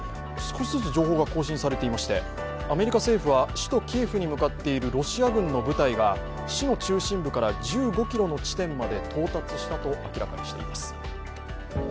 少しずつ情報が更新されていましてアメリカ政府は首都キエフに向かっているロシア軍の部隊が市の中心部から１５ｋｍの地点まで到達したと明らかにしています。